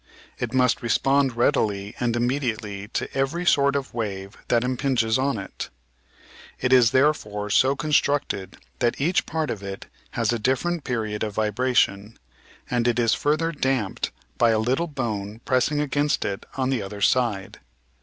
It must respond readily and immediately to every sort of wave that impinges on it. It is therefore so constructed that each part of it has a different period of vibration, and it is further "damped" by a little bone pressing against it on the other side.